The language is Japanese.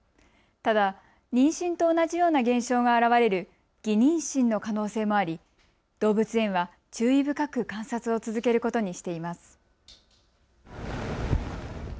ただ妊娠と同じような現象が現れる偽妊娠の可能性もあり動物園は注意深く観察を続けることにしています。